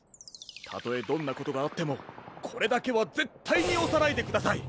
たとえどんなことがあってもこれだけはぜったいにおさないでください。